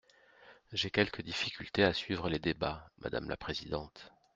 J’ai quelque difficulté à suivre les débats, madame la présidente.